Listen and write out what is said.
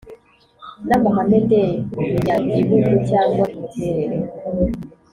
N amahame ndemyagihugu cyangwa imiterere